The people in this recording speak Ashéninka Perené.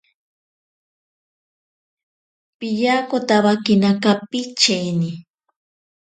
Piyakotawakena kapicheni.